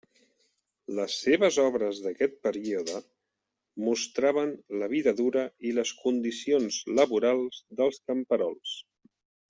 Les seves obres d'aquest període mostraven la vida dura i les condicions laborals dels camperols.